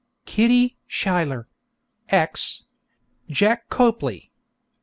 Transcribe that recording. _ KITTY SCHUYLER. X _JACK COPLEY.